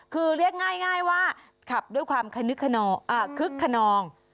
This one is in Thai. คือเรียกง่ายว่าขับด้วยความขนึกคนนองอ่ะคึกคนนอง